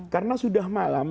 karena sudah malam